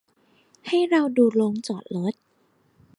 ให้เราดูโรงจอดรถ